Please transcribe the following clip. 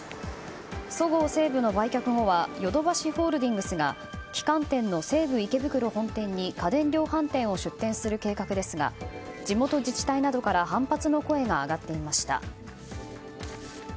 そごう・西武の売却後はヨドバシホールディングスが旗艦店の西武池袋本店に家電量販店を出店する計画ですが地元自治体などから反発の声が上がっていました。